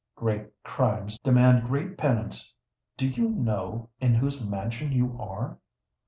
"Great crimes demand great penance. Do you know in whose mansion you are?